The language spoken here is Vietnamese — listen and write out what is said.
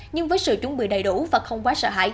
nhưng với sự chung kết